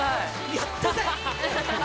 やったぜ。